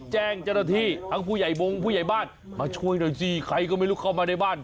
แจ้งเจ้าหน้าที่ทั้งผู้ใหญ่บงผู้ใหญ่บ้านมาช่วยหน่อยสิใครก็ไม่รู้เข้ามาในบ้าน